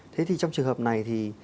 thế thì trong trường hợp này thì